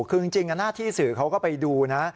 คือจริงหน้าที่สื่อเขาก็ไปดูนะ